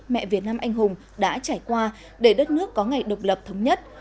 mẹ việt nam anh hùng đã trải qua để đất nước có ngày độc lập thống nhất